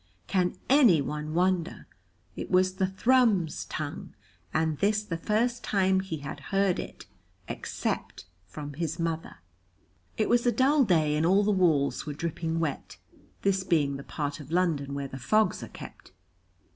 Can any one wonder? It was the Thrums tongue, and this the first time he had heard it except from his mother. It was a dull day, and all the walls were dripping wet, this being the part of London where the fogs are kept.